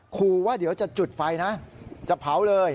ขู่ว่าเดี๋ยวจะจุดไฟนะจะเผาเลย